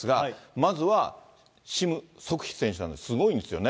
まずはシム・ソクヒ選手です、すごいんですよね。